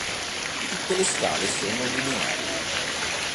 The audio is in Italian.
Tutte le scale sono lineari.